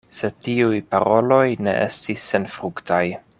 Sed tiuj paroloj ne estis senfruktaj.